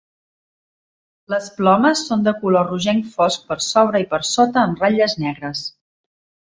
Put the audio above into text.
Les plomes són de color rogenc fosc per sobre i per sota amb ratlles negres.